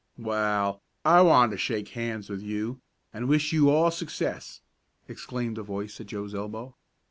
"Wa'al, I want to shake hands with you, an' wish you all success," exclaimed a voice at Joe's elbow.